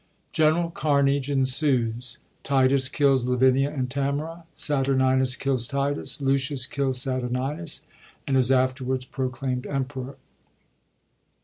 General carnage ensues. Titus kills Lavinia and Tamora ; Saturninus kills Titus ; Lucius kills Saturninus, and is afterwards proclaimd emperor.